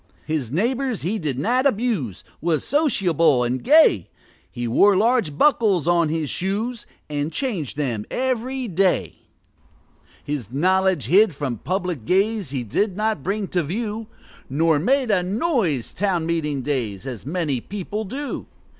His neighbors he did not abuse Was sociable and gay: He wore large buckles on his shoes, And changed them every day. His knowledge hid from public gaze, He did not bring to view, Nor made a noise town meeting days, As many people do.